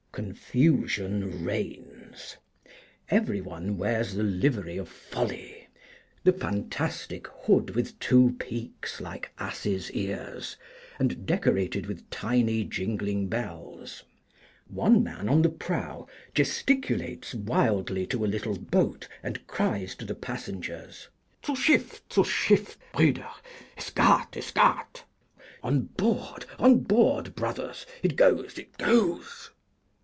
Confusion reigns. Every one wears the livery of Folly, the fantastic hood with two peaks like asses' ears, and decorated with tiny jingling bells. One man on the prow gesticulates wildly to a little boat, and cries to the passengers, "Zu schyff, zu schyff, brüder: ess gat, ess gat!" (On board, on board, brothers; it goes, it goes!)